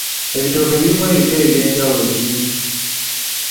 Ebitooke birimu ebika eby'enjawulo bingi .